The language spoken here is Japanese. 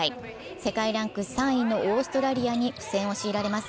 世界ランク３位のオーストラリアに苦戦を強いられます。